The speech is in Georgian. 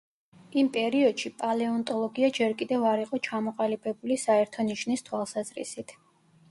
იმ პერიოდში პალეონტოლოგია ჯერ კიდევ არ იყო ჩამოყალიბებული საერთო ნიშნის თვალსაზრისით.